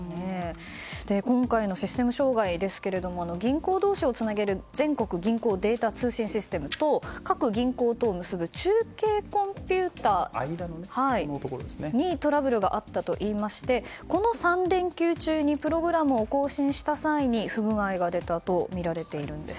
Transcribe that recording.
今回のシステム障害ですけども銀行同士をつなげる全国銀行データ通信システムと各銀行を結ぶ中継コンピューターにトラブルがあったといいましてこの３連休中にプログラムを更新した際に不具合が出たとみられているんです。